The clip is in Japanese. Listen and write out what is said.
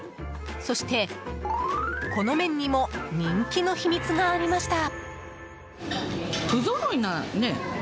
そして、この麺にも人気の秘密がありました。